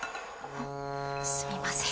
すみません。